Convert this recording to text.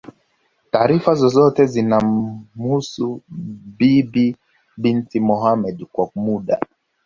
taarifa zozote zinazomhusu Bibi Titi Mohamed Kwa muda